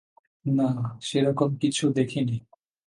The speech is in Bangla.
না, সেরকম কিছু দেখিনি।